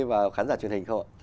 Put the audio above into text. và khán giả truyền hình không ạ